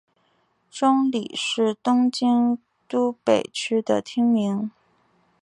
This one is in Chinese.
中里是东京都北区的町名。